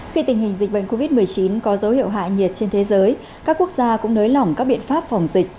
khi tình hình dịch bệnh covid một mươi chín có dấu hiệu hạ nhiệt trên thế giới các quốc gia cũng nới lỏng các biện pháp phòng dịch